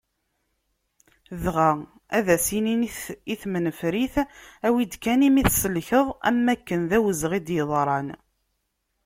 Dγa, ad as-inin i temnifrit awi-d kan imi tselkeḍ am wakken d awezγi i d-yeḍran.